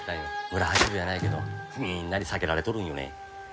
村八分やないけどみんなに避けられとるんよね。